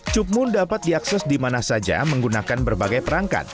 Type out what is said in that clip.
cukmun dapat diakses di mana saja menggunakan berbagai perangkat